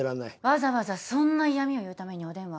わざわざそんな嫌みを言うためにお電話を？